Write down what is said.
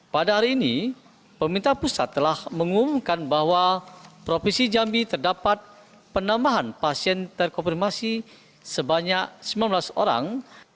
pada hari ini pemerintah pusat telah mengumumkan bahwa provinsi jambi terdapat penambahan pasien terkonfirmasi sebanyak sembilan belas orang